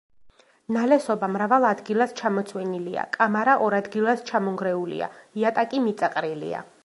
ნალესობა მრავალ ადგილას ჩამოცვენილია, კამარა ორ ადგილას ჩამონგრეულია, იატაკი მიწაყრილია.